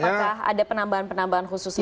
ada penambahan penambahan khusus lagi